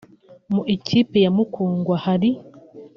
Mu ikipe ya Mukungwa hari